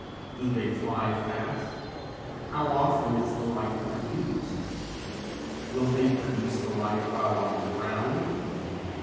Do they fly fast? How often is the light produced? Will they produce the light while on the ground?